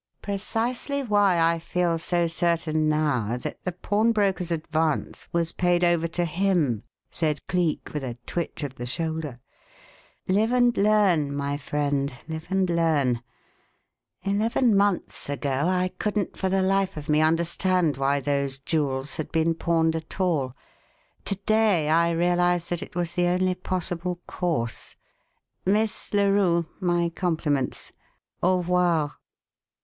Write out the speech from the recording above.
"Precisely why I feel so certain now that the pawnbroker's 'advance' was paid over to him," said Cleek, with a twitch of the shoulder. "Live and learn, my friend, live and learn. Eleven months ago I couldn't for the life of me understand why those jewels had been pawned at all; to day I realize that it was the only possible course. Miss Larue, my compliments. Au revoir."